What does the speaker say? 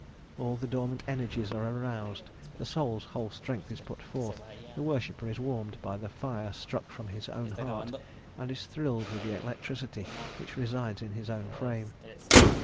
All the dormant energies are aroused; the soul's whole strength is put forth; the worshipper is warmed by the fire struck from his own heart, and is thrilled with the electricity which resides in his own frame.